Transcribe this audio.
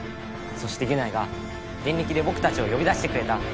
そしてギュナイがデンリキでぼくたちをよび出してくれた。